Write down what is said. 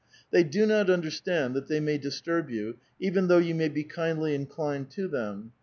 They do not understand that they may dis turb you, even thouirh you may be kindlv inclined to them.